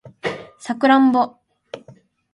サクランボ